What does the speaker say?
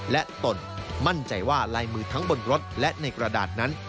และตนมั่นใจว่าลายมือทั้งบนรถและในกระดาษนั้น